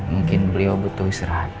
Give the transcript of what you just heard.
mungkin beliau butuh isyarat